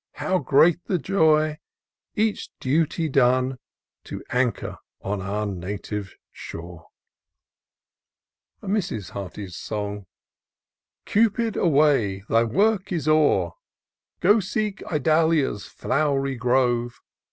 How great the joy, each duty done. To anchor on our native shore ! Mrs. Hearty's Song. Cupid, away! thy work is o'er; Go seek Idalia's flow'ry grove!